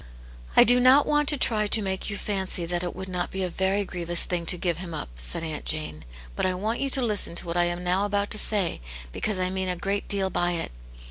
" I do not want to try to make you fancy that it would not be a very grievous thing to give him up," said Aunt Jane, " but I want you to listen to what I am now about to say, because I mean a great deal by it.